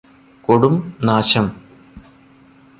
കൊടും നാശം